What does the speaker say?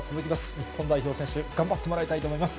日本代表選手、頑張ってもらいたいと思います。